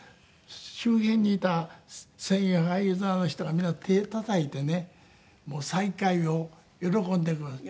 周辺にいた青年俳優座の人が皆手たたいてね再会を喜んでくださった。